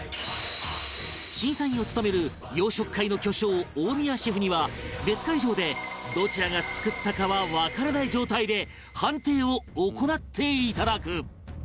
審査員を務める洋食界の巨匠大宮シェフには別会場でどちらが作ったかはわからない状態で判定を行っていただく